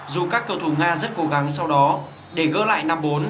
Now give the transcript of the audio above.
dù các cầu thủ nga rất cố gắng sau đó để gỡ lại năm bốn